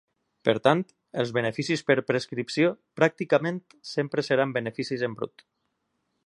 Per tant, els beneficis per prescripció pràcticament sempre seran beneficis en brut.